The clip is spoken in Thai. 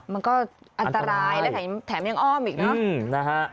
มันก็อันตรายแถมยังอ้อมอีกนะ